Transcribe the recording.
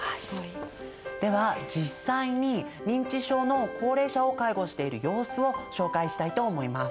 では実際に認知症の高齢者を介護している様子を紹介したいと思います。